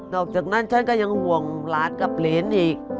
อกจากนั้นฉันก็ยังห่วงหลานกับเหรนอีก